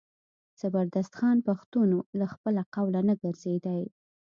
زبردست خان پښتون و له خپله قوله نه ګرځېدی.